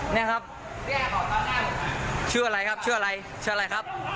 นี่ครับชื่ออะไรครับชื่ออะไรชื่ออะไรครับ